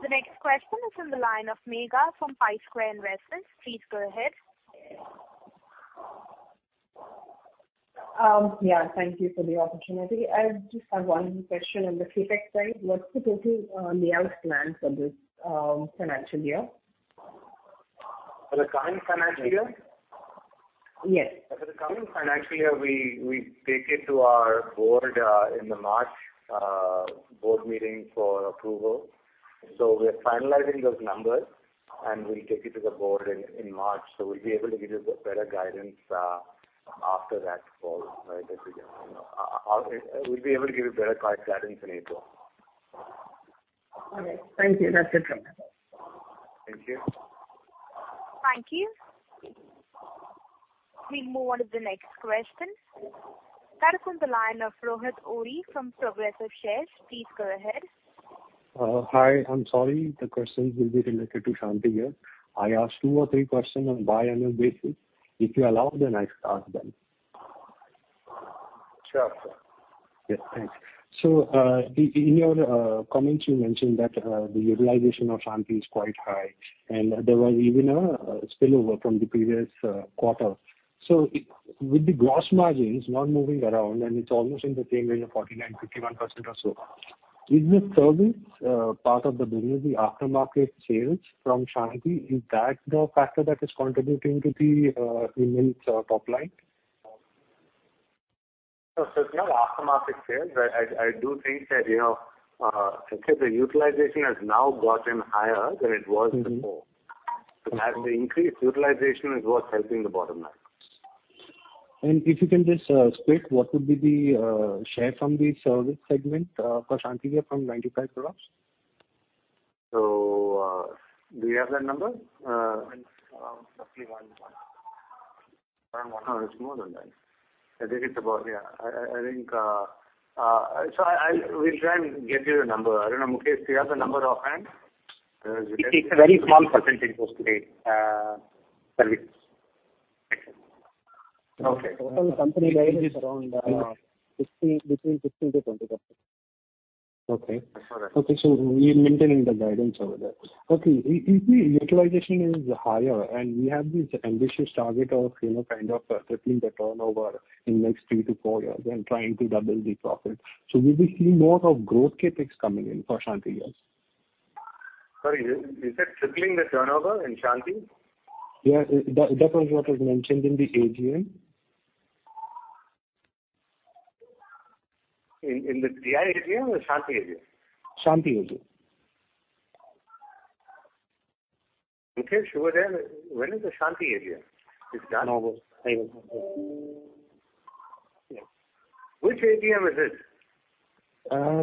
The next question is on the line of Megha from Pi Square Investments. Please go ahead. Yeah. Thank you for the opportunity. I just have one question on the CapEx side. What's the total lay out plan for this financial year? For the current financial year? Yes. For the current financial year, we take it to our board in the March board meeting for approval. We're finalizing those numbers, and we'll take it to the board in March. We'll be able to give you the better guidance after that call later in the year. We'll be able to give you better guidance in April. All right. Thank you. That's it from my side. Thank you. Thank you. We move on to the next question. That is on the line of Rohit Ohri from Progressive Shares. Please go ahead. Hi. I'm sorry. The questions will be related to Shanthi Gears here. I ask two or three questions on a biannual basis. If you allow, then I ask them. Sure. Yeah, thanks. In your comments you mentioned that the utilization of Shanthi is quite high, and there was even a spillover from the previous quarter. With the gross margins not moving around, and it's almost in the same range of 49%-51% or so, is the service part of the business, the aftermarket sales from Shanthi, is that the factor that is contributing to the remaining top line? It's not aftermarket sales. I do think that, you know, okay, the utilization has now gotten higher than it was before. Mm-hmm. As the increased utilization is what's helping the bottom line. If you can just state what would be the share from the service segment for Shanthi Gears from 95 products. Do you have that number? Roughly one. One. No, it's more than that. We'll try and get you the number. I don't know, Mukesh. Do you have the number offhand? Do you think- It's a very small percentage of today, service. Okay. Total company guidance is around 60, between 16%-20%. Okay. That's all right. Okay. We're maintaining the guidance over there. Okay. If the utilization is higher and we have this ambitious target of, you know, kind of tripling the turnover in next three to four years and trying to double the profit, will we see more of growth CapEx coming in for Shanthi Gears? Sorry, you said tripling the turnover in Shanthi? Yeah. That was what was mentioned in the AGM. In the TII AGM or Shanthi AGM? Shanthi AGM. Mukesh, when is the Shanthi AGM? Its turnover. I don't know. Which AGM is it?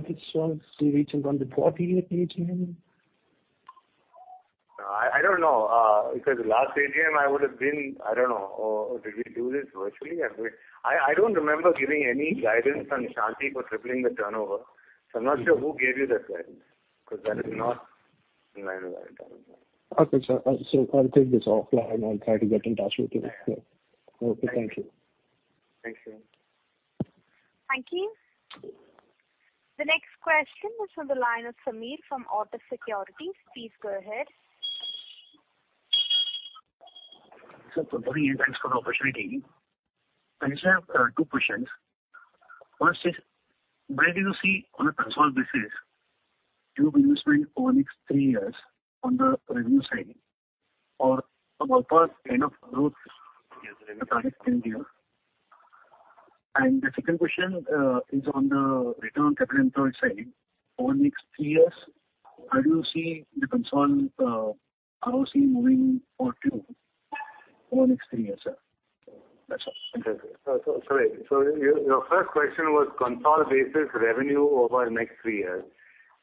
This one, it's the recent one, the fourteenth AGM. I don't know. Because the last AGM I would have been, I don't know. Did we do this virtually? I don't remember giving any guidance on Shanthi for tripling the turnover. I'm not sure who gave you that guidance, because that is not my guidance. Okay, sir. I'll take this offline and try to get in touch with you. Okay. Thank you. Thanks, sir. Thank you. The next question is from the line of Sameer Shaikh from Kotak Securities. Please go ahead. Purvi, thanks for the opportunity. I just have two questions. First is, where do you see on a consolidated basis your investment over next three years on the revenue side or about that kind of growth in the target ten year? The second question is on the return capital employed side. Over the next three years, how do you see the consolidated, how do you see it moving for Tube over the next three years, sir? That's all. Okay. Sorry. Your first question was consolidated revenue over the next three years.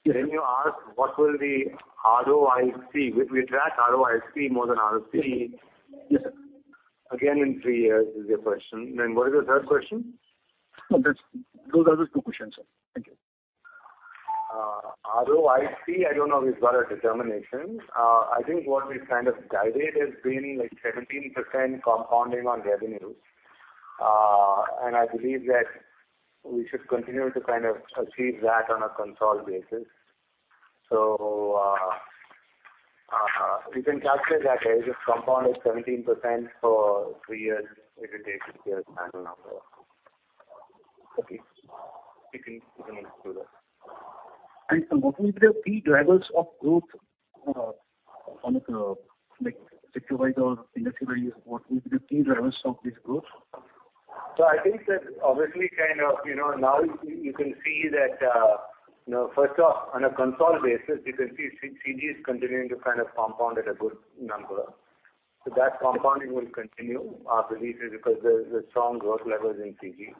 Yes, sir. You ask what will the ROIC. We track ROIC more than ROC. Yes, sir. Again, in three years is your question. Then what is your third question? Those are the two questions, sir. Thank you. ROIC, I don't know if we've got a determination. I think what we've kind of guided has been like 17% compounding on revenues. I believe that we should continue to kind of achieve that on a consolidated basis. You can calculate that. I just compounded 17% for three years. It'll take you to your final number. Okay. You can do that. What will be the key drivers of growth, on a, like, sector-wise or industry-wise, what will be the key drivers of this growth? I think that obviously kind of, you know, now you can see that, you know, first off, on a consolidated basis, you can see CG is continuing to kind of compound at a good number. That compounding will continue, because there's strong growth levels in CG.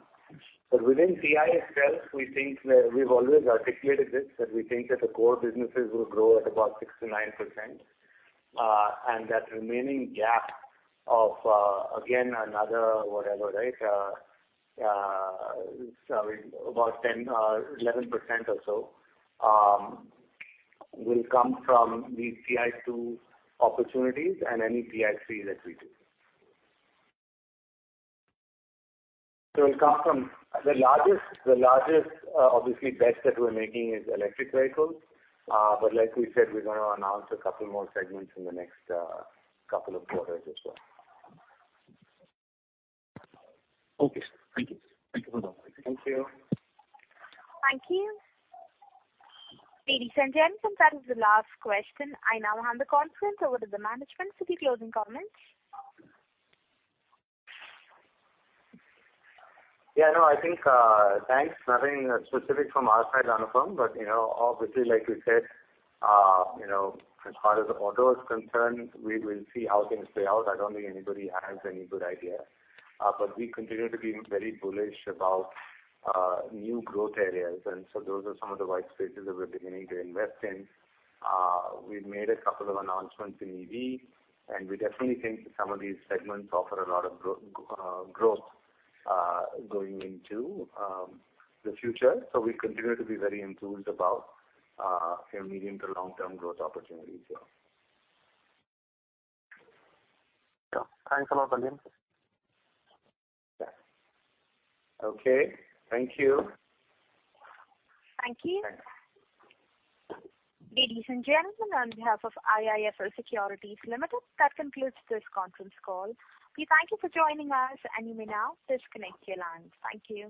Within itself, we think that we've always articulated this, that we think that the core businesses will grow at about 6%-9%, and that remaining gap of, again, another whatever, right, sorry, about 10% or 11% or so, will come from the TI-2 opportunities and any TI-3s that we do. It comes from the largest obviously bets that we're making is electric vehicles. But like we said, we're gonna announce a couple more segments in the next couple of quarters as well. Okay, sir. Thank you. Thank you for that. Thank you. Thank you. Ladies and gentlemen, that is the last question. I now hand the conference over to the management for the closing comments. Yeah, no, I think, thanks. Nothing specific from our side, Anupam. You know, obviously, like we said, you know, as far as auto is concerned, we will see how things play out. I don't think anybody has any good idea. We continue to be very bullish about new growth areas. Those are some of the white spaces that we're beginning to invest in. We've made a couple of announcements in EV, and we definitely think some of these segments offer a lot of growth going into the future. We continue to be very enthused about your medium to long-term growth opportunities here. Yeah. Thanks a lot, Vellayan Subbiah. Yeah. Okay. Thank you. Thank you. Ladies and gentlemen, on behalf of IIFL Securities Limited, that concludes this conference call. We thank you for joining us, and you may now disconnect your lines. Thank you.